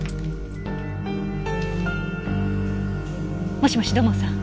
もしもし土門さん。